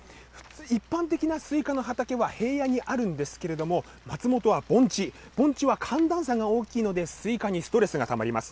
一般的なスイカの畑は平野にあるんですけれども、松本は盆地、盆地は寒暖差が大きいので、スイカにストレスがたまります。